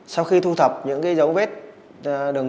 sau khi thu thập những dấu vết đường vân thu thập tại hiện trường